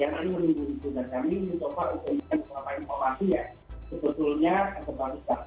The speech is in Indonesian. yang sebetulnya atau balik